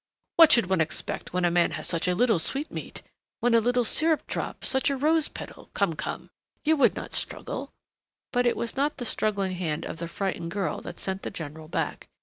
Ho what should one expect when a man has such a little sweetmeat, such a little syrup drop, such a rose petal Come, come, you would not struggle " But it was not the struggling hand of the frightened girl that sent the general back.